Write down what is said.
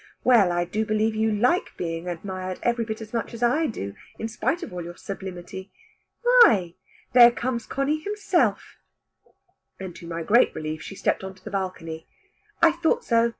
Well, I do believe you like being admired every bit as much as I do, in spite of all your sublimity. Why there comes Conny himself;" and to my great relief she stepped into the balcony. "I thought so.